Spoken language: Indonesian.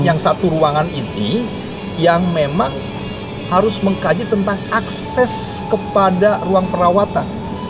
yang satu ruangan ini yang memang harus mengkaji tentang akses kepada ruang perawatan